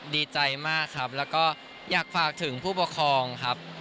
ดีใจมากครับแล้วก็อยากฝากถึงผู้ปกครองครับ